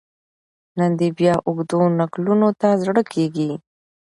نن دي بیا اوږدو نکلونو ته زړه کیږي